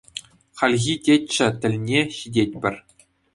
Хальхи Теччӗ тӗлне ҫитетпӗр.